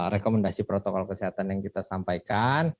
rekomendasi protokol kesehatan yang kita sampaikan